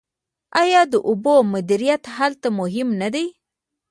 آیا د اوبو مدیریت هلته مهم نه دی؟